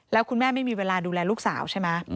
แล้วคุณแม่ไม่มีเวลาดูแลลูกสาวใช่ไหม